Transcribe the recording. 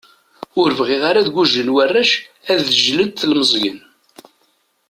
Ur bɣiɣ ara ad gujlen warrac, ad ǧǧlent telmeẓyin.